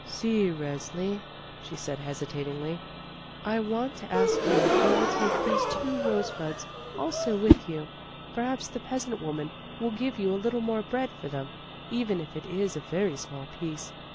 "See, Resli," she said hesitatingly, "I want to ask you if you will take these two rosebuds also with you; perhaps the peasant woman will give you a little more bread for them, even if it is a very small piece.